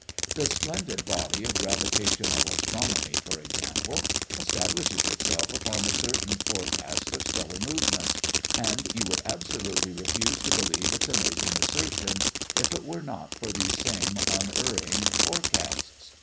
The splendid body of gravitational astronomy, for example, establishes itself upon the certain forecast of stellar movements, and you would absolutely refuse to believe its amazing assertions if it were not for these same unerring forecasts.